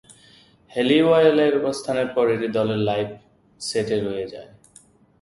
হ্যালিওয়েলের প্রস্থানের পর এটি দলের লাইভ সেটে রয়ে যায়।